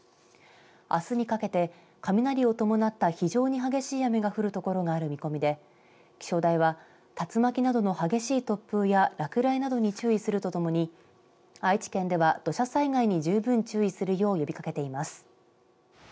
あすにかけて雷を伴った非常に激しい雨が降るところがある見込みで気象台は竜巻などの激しい突風や落雷などに注意するとともに愛知県では土砂災害に十分注意するよう呼びかけています。